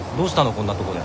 こんなとこで。